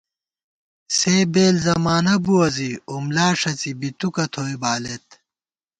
سے بېل زمانہ بُوَہ زی اُملا ݭڅی بِتُکہ تھوئی بالېت